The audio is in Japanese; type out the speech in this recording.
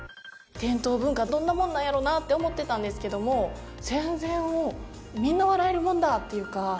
伝統文化どんなもんなんやろなって思ってたんですけども全然もうみんな笑えるもんだっていうか。